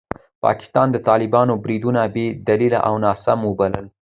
پاکستان د طالبانو بریدونه بې دلیله او ناسم وبلل.